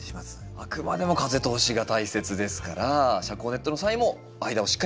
あくまでも風通しが大切ですから遮光ネットの際も間をしっかり空けるということですね。